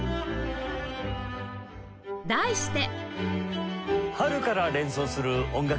題して